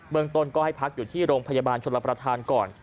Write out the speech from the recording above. เมืองต้นก็ให้พักอยู่ที่โรงพยาบาลชนรับประทานก่อน